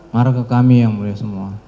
marah ke kami yang mulia semua